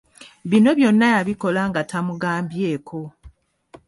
Bino byonna yabikola nga tamugambyeko.